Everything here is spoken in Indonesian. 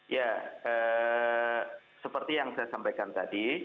ya seperti yang saya sampaikan tadi